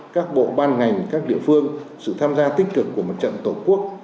các bộ ban ngành các địa phương sự tham gia tích cực của mặt trận tổ quốc